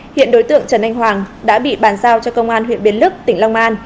hiện đối tượng trần anh hoàng đã bị bàn giao cho công an huyện biến lức tỉnh long an